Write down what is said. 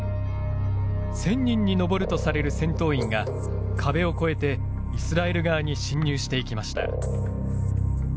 １０００人に上るとされる戦闘員が壁を越えてイスラエル側に侵入していきました。